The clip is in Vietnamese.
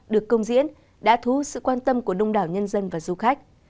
được công diễn đã thú sự quan tâm của đông đảo nhân dân và du khách